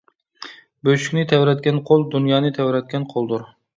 بۆشۈكنى تەۋرەتكەن قول دۇنيانى تەۋرەتكەن قولدۇر.